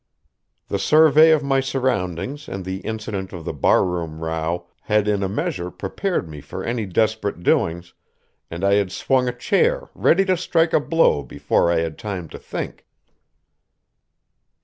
The survey of my surroundings and the incident of the bar room row had in a measure prepared me for any desperate doings, and I had swung a chair ready to strike a blow before I had time to think.